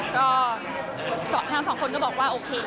ก็ทั้งสองคนก็บอกว่าโอเค